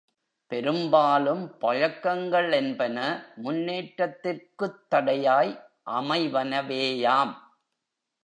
பெரும்பாலும் பழக்கங்கள் என்பன முன்னேற்றத்திற்குத் தடையாய் அமைவனவேயாம்.